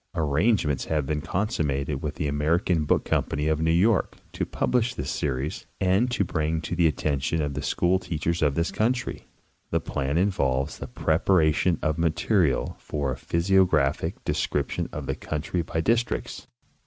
Arrangements have been consummated with the Ameri can Book Company of New York to publish this series and to bring it to the attention of the school teachers of this country. The plan involves the preparation of material for a physio graphic description of the country by districts.